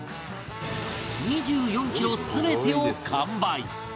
２４キロ全てを完売！